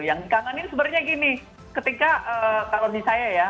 yang dikangenin sebenarnya gini ketika kalau misalnya ya